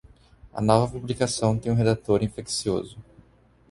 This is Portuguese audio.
A nova publicação tem um redator infeccioso.